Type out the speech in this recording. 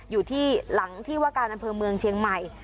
อยู่ที่หลังที่ว่าการอำเภอเมืองเชียงใหม่